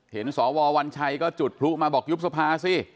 สววัญชัยก็จุดพลุมาบอกยุบสภาสิ